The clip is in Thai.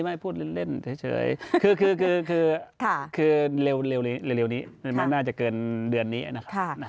ไม่พูดเล่นเฉยคือคือคือเร็วเร็บเร็วมันน่าจะเกินเดือนนี้นะค่ะ